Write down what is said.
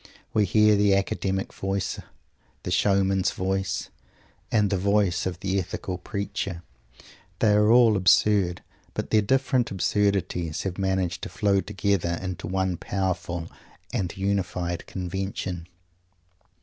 We hear the academic voice, the showman's voice, and the voice of the ethical preacher. They are all absurd, but their different absurdities have managed to flow together into one powerful and unified convention.